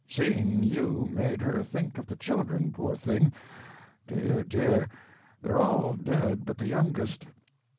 "Seeing you made her think of the children, poor thing—dear, dear, they're all dead but the youngest.